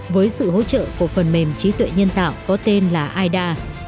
với sự hỗ trợ của phần mềm trí tuệ nhân tạo có tên là ida